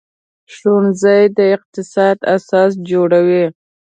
ښوونځی د اقتصاد اساس جوړوي